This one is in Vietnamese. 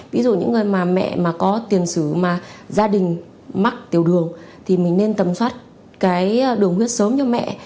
ví dụ những người mà mẹ mà có tiền sử mà gia đình mắc tiểu đường thì mình nên tầm soát cái đường huyết sớm cho mẹ